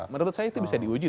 menurut saya itu bisa diuji